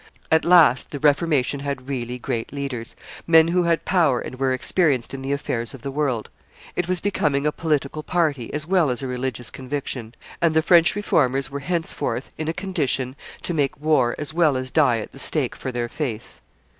At last the Reformation had really great leaders, men who had power and were experienced in the affairs of the world; it was becoming a political party as well as a religious conviction; and the French Reformers were henceforth in a condition to make war as well as die at the stake for their faith.